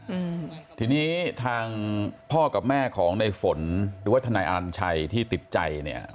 อืมทีนี้ทางพ่อกับแม่ของในฝนหรือว่าทนายอนัญชัยที่ติดใจเนี้ย